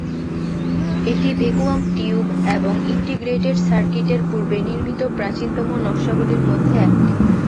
এটি vacuum tube এবং integrated সার্কিটের পূর্বে নির্মিত প্রাচীনতম নকশাগুলির মধ্যে একটি।